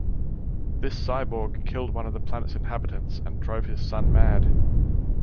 This cyborg killed one of the planet's inhabitants and drove his son mad.